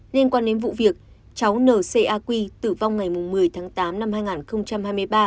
liên quan đến vụ việc cháu n c a qi tử vong ngày một mươi tháng tám năm hai nghìn hai mươi ba